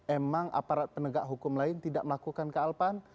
emang aparat penegak hukum lain tidak melakukan kealpaan